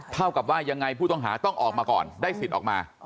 เท่ากับว่ายังไงผู้ต้องหาต้องออกมาก่อนได้สิทธิ์ออกมา